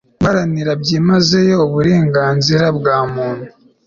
guharanira byimazeyo uburenganzira bwa muntu